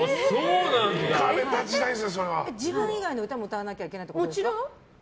自分以外の歌も歌わなきゃいけないってことですか？